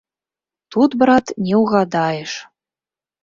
Тут, брат, не ўгадаеш.